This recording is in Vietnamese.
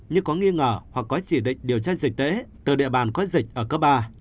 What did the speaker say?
như có nghi ngờ hoặc có chỉ định điều tra dịch tễ từ địa bàn có dịch ở cấp ba